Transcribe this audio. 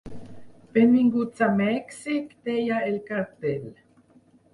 Benvinguts a Mèxic, deia el cartell.